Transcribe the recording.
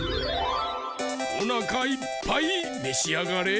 おなかいっぱいめしあがれ！